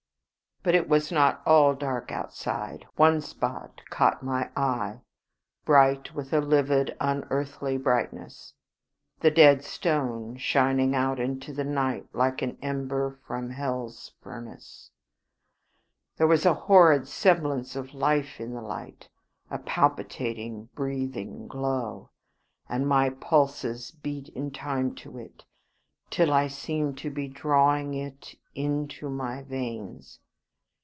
But it was not all dark outside: one spot caught my eye, bright with a livid unearthly brightness the Dead Stone shining out into the night like an ember from hell's furnace! There was a horrid semblance of life in the light, a palpitating, breathing glow, and my pulses beat in time to it, till I seemed to be drawing it into my veins.